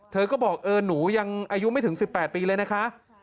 เธอก็บอกเออหนูยังอายุไม่ถึง๑๘ปีเลยนะคะ